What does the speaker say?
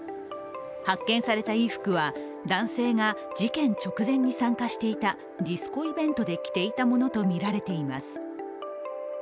発見された衣服は男性が事件直前に参加していたディスコイベントで着ていたものとみられています。